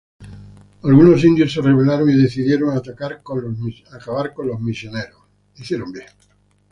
Algunos indios se rebelaron y decidieron acabar con los misioneros.